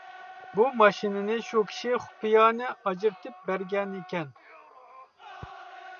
بۇ ماشىنىنى شۇ كىشى خۇپىيانە ئاجرىتىپ بەرگەنىكەن.